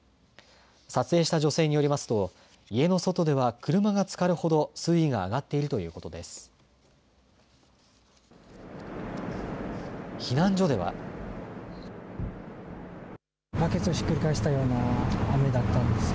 撮影した女性によりますと家の外では車がつかるほど水位が上がっているということです。